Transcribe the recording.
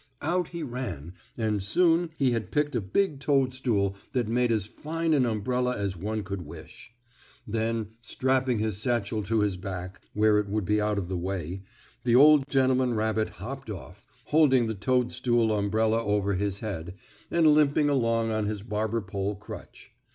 Out he ran and soon he had picked a big toadstool that made as fine an umbrella as one could wish. Then, strapping his satchel to his back, where it would be out of the way, the old gentleman rabbit hopped off, holding the toadstool umbrella over his head, and limping along on his barber pole crutch.